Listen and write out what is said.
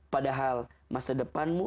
padahal masa depanmu